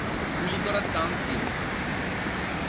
গুলি করার চান্স দিও না!